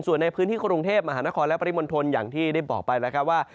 ส่วนในพื้นที่กรุงเทพมหานครและปริมณฑลอย่างที่ได้บอกไปแล้วครับว่า